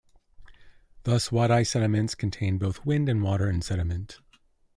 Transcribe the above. Thus wadi sediments contain both wind and water sediments.